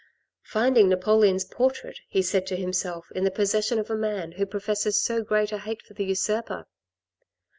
" Finding Napoleon's portrait," he said to himself, " in the possession of a man who professes so great a hate for the usurper